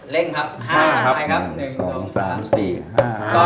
เร่งครับ๕ครับ